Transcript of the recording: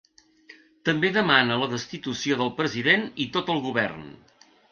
També demana la destitució del president i tot el govern.